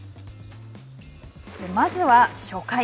まずは初回。